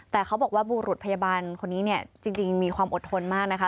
แต่เขาบอกว่าบุรุษพยาบาลคนนี้เนี่ยจริงมีความอดทนมากนะคะ